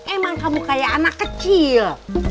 emang kamu kayak anak kecil